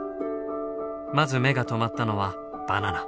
まず目が留まったのはバナナ。